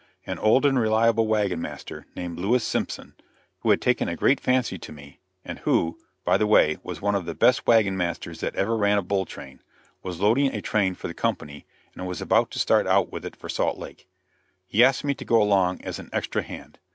An old and reliable wagon master, named Lewis Simpson who had taken a great fancy to me, and who, by the way, was one of the best wagon masters that ever ran a bull train was loading a train for the company, and was about to start out with it for Salt Lake. He asked me to go along as an "extra hand."